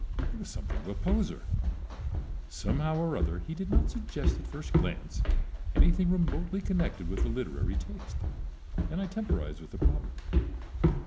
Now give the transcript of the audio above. It was something of a poser. Somehow or other he did not suggest at first glance anything remotely connected with a literary taste, and I temporized with the problem.